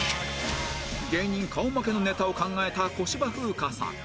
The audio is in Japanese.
芸人顔負けのネタを考えた小芝風花さん